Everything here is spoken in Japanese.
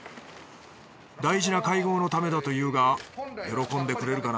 大事な会合のためだというが喜んでくれるかな？